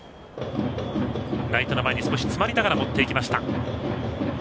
ライトの前に少し詰まりながら持っていきました。